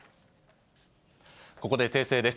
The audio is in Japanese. ここで訂正です。